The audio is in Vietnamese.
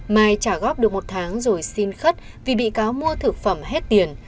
mai trả góp được một tháng rồi xin khất vì bị cáo mua thực phẩm hết tiền